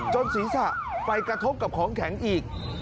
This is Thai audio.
ศีรษะไปกระทบกับของแข็งอีก